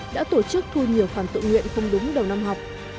đã tổ chức thu nhiều khoản tự nguyện không đúng đầu năm học